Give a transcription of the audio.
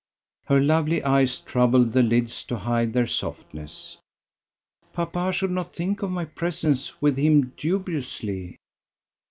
Her lovely eyes troubled the lids to hide their softness. "Papa should not think of my presence with him dubiously."